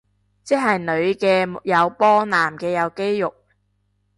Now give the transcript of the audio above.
即係女嘅有波男嘅有肌肉